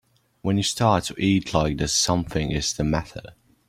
When you start to eat like this something is the matter.